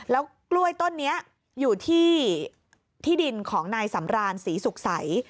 แล้วกล้วยต้นนี้อยู่ที่ที่ดินของนายสำรานศรีสุขใส